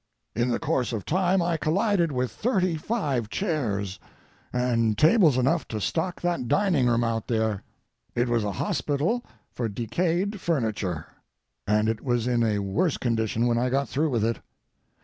In the course of time I collided with thirty five chairs and tables enough to stock that dining room out there. It was a hospital for decayed furniture, and it was in a worse condition when I got through with it.